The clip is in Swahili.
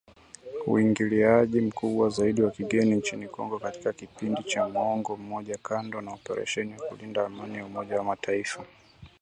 Uingiliaji mkubwa zaidi wa kigeni nchini Kongo katika kipindi cha muongo mmoja kando na operesheni ya kulinda Amani ya Umoja wa mataifa